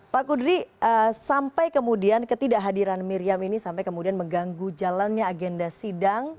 pak kudri sampai kemudian ketidakhadiran miriam ini sampai kemudian mengganggu jalannya agenda sidang